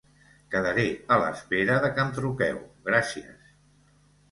Quedaré a l'espera de que em truqueu gràcies!